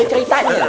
ada ceritanya loh